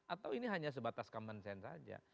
atau ini hanya sebatas common sense saja